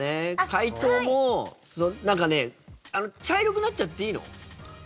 解凍も、なんかね茶色くなっちゃっていいの？